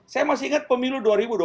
saya masih ingat pemilu dua ribu dua puluh